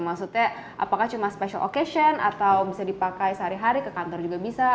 maksudnya apakah cuma special occasion atau bisa dipakai sehari hari ke kantor juga bisa